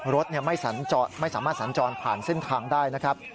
รถไม่สามารถสัญจรผ่านเส้นทางได้นะครับ